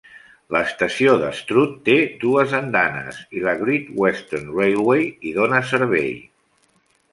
L'estació de Stroud té dues andanes i la Great Western Railway hi dona servei.